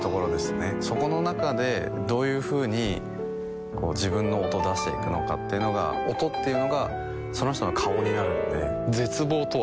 そこの中でどういうふうに自分の音を出していくのかっていうのが音っていうのがその人の顔になるので絶望とは？